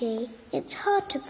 えっ！